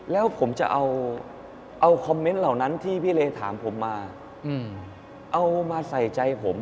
แล้วผมจะเอาคอมเมนต์เหล่านั้นที่พี่เลถามผมมาเอามาใส่ใจผม